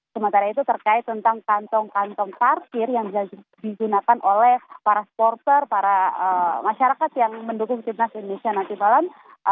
sementara itu terkait tentang kantong kantong parkir yang bisa digunakan oleh para supporter para masyarakat yang mendukung timnas indonesia nanti malam